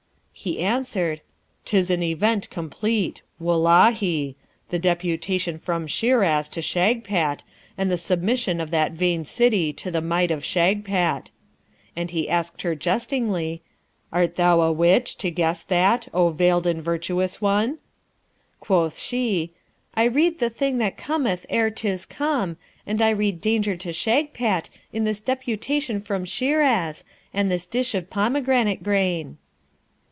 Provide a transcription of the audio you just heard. He answered, ''Tis an Event complete. Wullahy! the deputation from Shiraz to Shagpat, and the submission of that vain city to the might of Shagpat.' And he asked her, jestingly, 'Art thou a witch, to guess that, O veiled and virtuous one?' Quoth she, 'I read the thing that cometh ere 'tis come, and I read danger to Shagpat in this deputation from Shiraz, and this dish of pomegranate grain.'